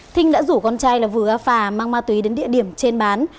thinh đã rủ con trai là vừa á phà mang ma túy đến địa điểm trên bán